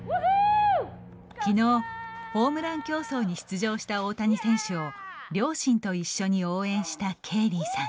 ホームラン競争に出場した大谷選手を両親と一緒に応援したケイリーさん。